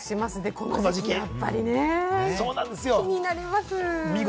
この時期やっぱり気になります。